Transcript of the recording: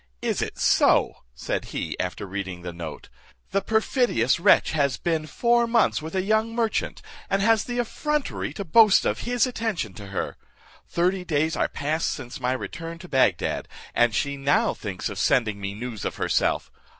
"Is it so?" said he, after reading the note; "the perfidious wretch has been four months with a young merchant, and has the effrontery to boast of his attention to her. Thirty days are past since my return to Bagdad, and she now thinks of sending me news of herself.